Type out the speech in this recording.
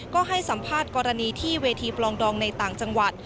ก็ให้สัมภาษณ์กรณีที่เวทีปลองดองในต่างจังหวัด